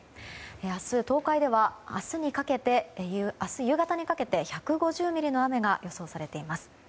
明日、東海では明日夕方にかけて１５０ミリの雨が予想されています。